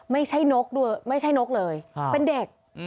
ไม่ใช่นกเลยเป็นเด็ก